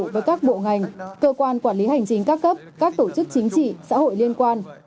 với các bộ ngành cơ quan quản lý hành chính các cấp các tổ chức chính trị xã hội liên quan